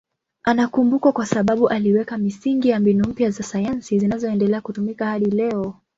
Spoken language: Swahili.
Anakumbukwa kwa sababu aliweka misingi ya mbinu mpya za sayansi zinazoendelea kutumika hadi leo.